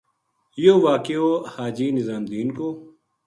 یوہ واقعو حاجی نظام دین کو